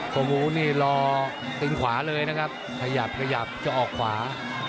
โอ้โหนี่รอตินขวาเลยนะครับขยับขยับจะออกขวา